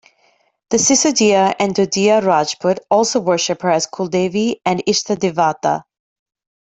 The Sisodiya and Dodiya Rajput also worship her as Kuldevi and Ishtadevata.